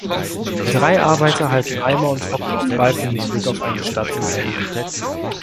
Drei Arbeiter halten Eimer und hocken auf Balken mit Blick auf eine Stadt unter ihnen.